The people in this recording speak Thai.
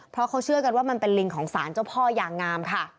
เพราะเขาเชื่อกันว่ามันเป็นลิงของสารเจ้าพ่อยางงามค่ะ